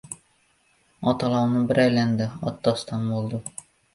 Ot olovni bir aylandi. Ot doston bo‘ldi.